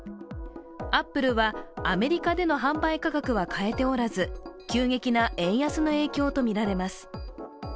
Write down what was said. アップルは、アメリカでの販売価格は変えておらず急激な円安の影響とみられます。